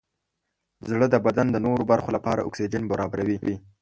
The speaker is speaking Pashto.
زړه د بدن د نورو برخو لپاره اکسیجن برابروي.